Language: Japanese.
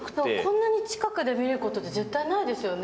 こんなに近くで見ることって絶対ないですよね。